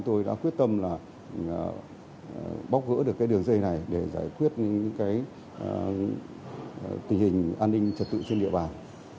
tôi đã quyết tâm bóc gỡ được đường dây này để giải quyết tình hình an ninh trật tự trên địa bàn